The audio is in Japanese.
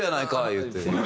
言うて。